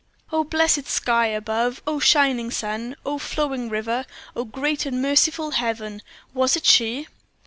Oh, blessed sky above! Oh, shining sun! Oh, flowing river! Oh, great and merciful Heaven! was it she?